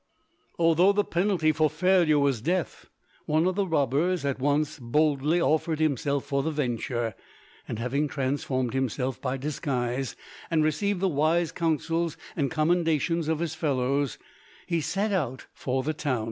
Although the penalty for failure was death, one of the robbers at once boldly offered himself for the venture, and having transformed himself by disguise and received the wise counsels and commendations of his fellows, he set out for the town.